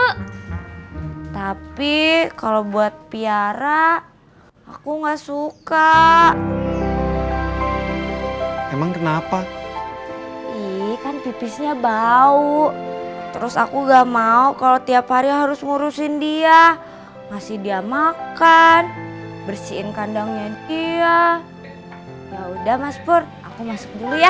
hai tapi kalau buat piara aku enggak suka emang kenapa ikan pipisnya bau terus aku gak mau kalau tiap hari harus ngurusin dia masih dia makan bersihin kandangnya dia udah maspur aku masuk dulu ya